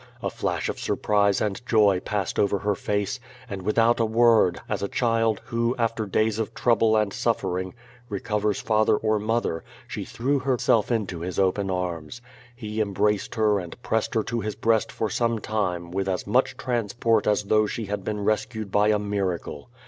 A flash of surprise and joy passed over her face, and without a word, as a child, who, after days of trouble and suffering re covers father or mother, she threw herself into his open arms. He embraced her and pressed her to his breast for some time with as much transport as though she had been rescued by a miracle.